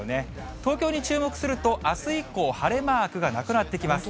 東京に注目すると、あす以降、晴れマークがなくなってきます。